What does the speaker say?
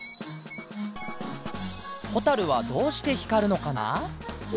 ホタルはどうしてひかるのかな？